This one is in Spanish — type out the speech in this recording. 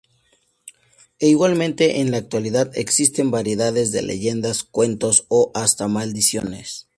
E igualmente en la actualidad existen variedades de leyendas, cuentos o hasta maldiciones.